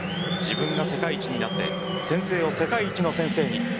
自分が世界一になって先生を世界一の先生に。